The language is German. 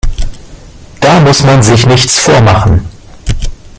Da muss man sich nichts vormachen.